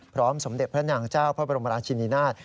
สมเด็จพระนางเจ้าพระบรมราชินินาศ